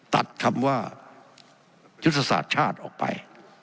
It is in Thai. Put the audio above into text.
ตัดคำว่ายุทธศาสตร์ชาติออกไป